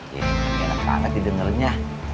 ya kagak kagak kagak didengernya